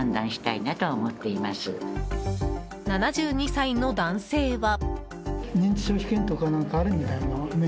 ７２歳の男性は。